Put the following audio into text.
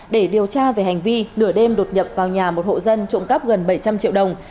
để điều tra về hành vi nửa đêm đột nhập vào nhà một hộ dân trộm cắp gần bảy trăm linh triệu đồng